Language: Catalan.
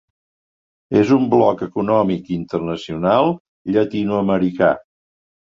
És un bloc econòmic internacional llatinoamericà.